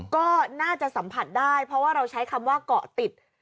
ก็น่าจะสัมผัสได้เพราะว่าเราใช้คำว่าเกาะติด